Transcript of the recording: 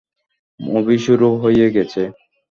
Movie শুরু হয়ে গেছে।